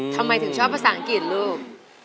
ทำไมถึงชอบภาษาอังกฤษลูก